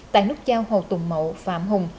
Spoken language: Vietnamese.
tại nút giao hồ tùng mậu phạm hùng